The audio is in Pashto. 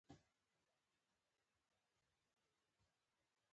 غریب د نورو جامو ته ګوري